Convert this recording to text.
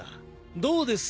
どうです？